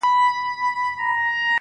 ږغېدی په څو څو ژبو د پېریانو!.